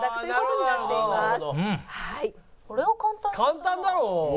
簡単だろ。